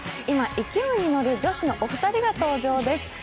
今、勢いに乗る女子のお二人が登場です。